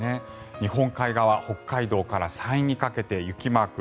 日本海側北海道から山陰にかけて雪マーク。